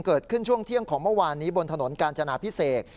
เกิดขึ้นช่วงเที่ยงของเมื่อวานนี้บนถนนกาญจนาพิเศษ